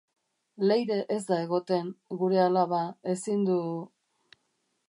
Leire ez da egoten, gure alaba, ezin du...